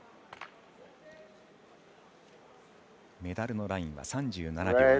メダルのラインは３７秒２１。